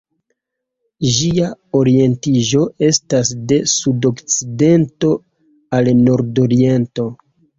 Ĝia orientiĝo estas de sudokcidento al nordoriento.